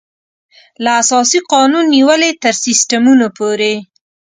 له اساسي قانون نېولې تر سیسټمونو پورې.